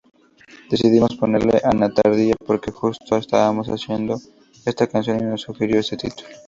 Decidimos ponerle 'Antártida' porque justo estábamos haciendo esta canción y nos sugirió ese título.